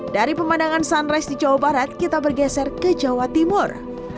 dari pemandangan sunrise di jawa barat kita bergeser ke jawa timur